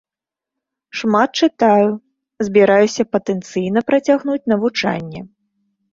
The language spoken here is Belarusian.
Шмат чытаю, збіраюся патэнцыйна працягнуць навучанне.